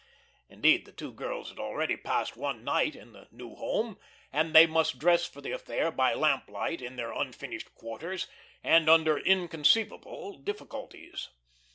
Indeed the two girls had already passed one night in the new home, and they must dress for the affair by lamplight in their unfurnished quarters and under inconceivable difficulties.